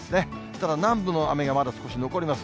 ただ南部の雨がまだ少し残ります。